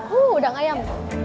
huh udang ayam